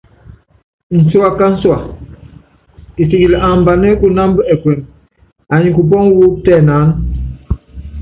Ncúá kuasɔ́, kisikili ambanɛ́ kunámba ɛkuɛmɛ, anyi kupɔ́ŋɔ wú tɛnaánɛ.